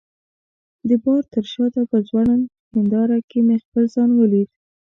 د بار تر شاته په ځوړند هنداره کي مې خپل ځان ولید.